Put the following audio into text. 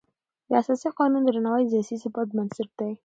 د اساسي قانون درناوی د سیاسي ثبات بنسټ دی